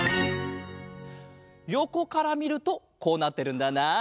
よこからみるとこうなってるんだな。